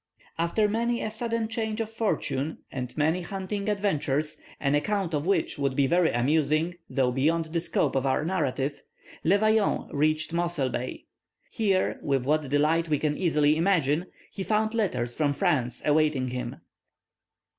After many a sudden change of fortune and many hunting adventures, an account of which would be very amusing, though beyond the scope of our narrative, Le Vaillant reached Mossel Bay. Here, with what delight we can easily imagine, he found letters from France awaiting him.